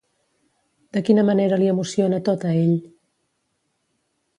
De quina manera li emociona tot a ell?